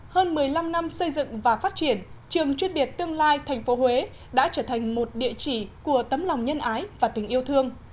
hơn một mươi năm năm xây dựng và phát triển trường chuyên biệt tương lai tp huế đã trở thành một địa chỉ của tấm lòng nhân ái và tình yêu thương